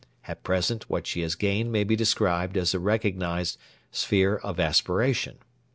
At present what she has gained may be described as a recognised 'sphere of aspiration.'